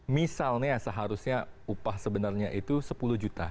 misalnya seharusnya upah sebenarnya itu sepuluh juta